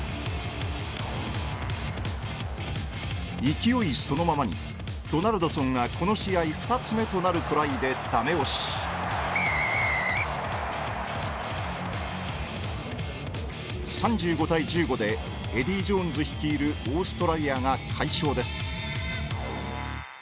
勢いそのままにドナルドソンがこの試合２つ目となるトライで駄目押し３５対１５でエディー・ジョーンズ率いるオーストラリアが快勝です